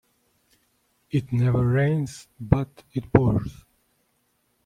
It never rains but it pours.